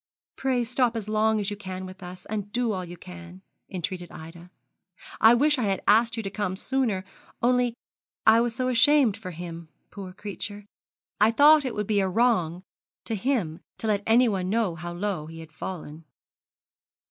'Pray stop as long as you can with us, and do all you can,' entreated Ida. 'I wish I had asked you to come sooner, only I was so ashamed for him, poor creature. I thought it would be a wrong to him to let anyone know how low he had fallen.'